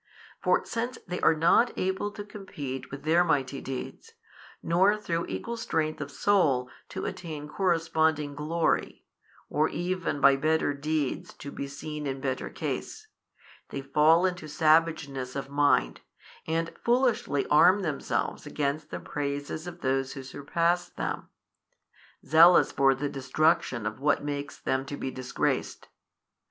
For since they are not able to compete with their mighty deeds, nor through equal strength of soul to attain corresponding glory, or even by |536 better deeds to be seen in better case, they fall into savage ness of mind, and foolishly arm themselves against the praises of those who surpass them, zealous for the destruction of what makes them to be disgraced.